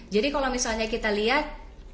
jadi kalau misalnya kita lihat